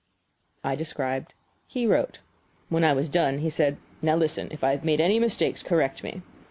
I described, he wrote. When I was done, he said: "Now listen. If I have made any mistakes, correct me."